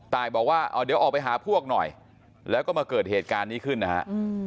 บอกว่าเอาเดี๋ยวออกไปหาพวกหน่อยแล้วก็มาเกิดเหตุการณ์นี้ขึ้นนะฮะ